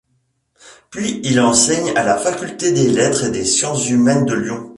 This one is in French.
Puis il enseigne à la Faculté des Lettres et Sciences humaines de Lyon.